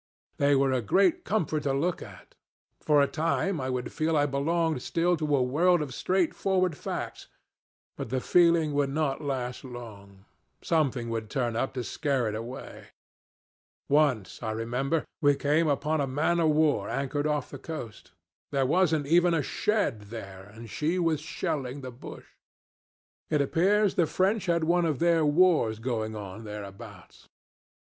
They were a great comfort to look at. For a time I would feel I belonged still to a world of straightforward facts; but the feeling would not last long. Something would turn up to scare it away. Once, I remember, we came upon a man of war anchored off the coast. There wasn't even a shed there, and she was shelling the bush. It appears the French had one of their wars going on thereabouts.